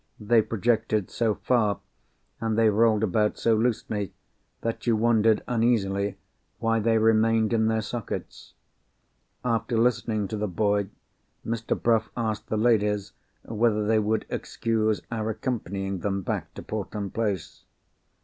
They projected so far, and they rolled about so loosely, that you wondered uneasily why they remained in their sockets. After listening to the boy, Mr. Bruff asked the ladies whether they would excuse our accompanying them back to Portland Place.